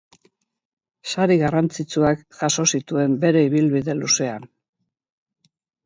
Sari garrantzitsuak jaso zituen bere ibilbide luzean.